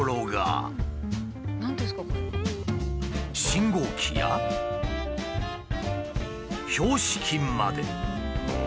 信号機や標識まで。